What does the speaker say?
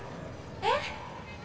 「えっ！」